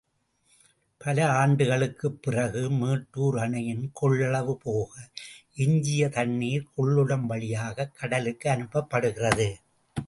பல ஆண்டுகளுக்குப் பிறகு மேட்டூர் அணையின் கொள்ளளவு போக எஞ்சிய தண்ணீர் கொள்ளிடம் வழியாகக் கடலுக்கு அனுப்பப்படுகிறது!